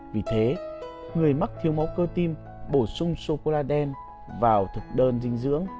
vì thế người mắc thiếu máu cơ tim bổ sung sôcôla đen vào thực đơn dinh dưỡng